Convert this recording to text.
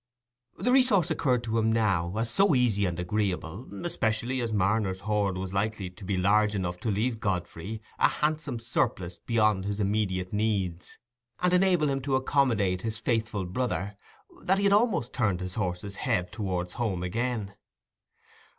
The resource occurred to him now as so easy and agreeable, especially as Marner's hoard was likely to be large enough to leave Godfrey a handsome surplus beyond his immediate needs, and enable him to accommodate his faithful brother, that he had almost turned the horse's head towards home again.